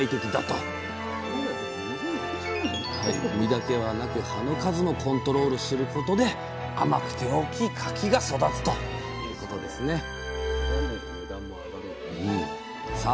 実だけではなく葉の数もコントロールすることで甘くて大きい柿が育つということですねさあ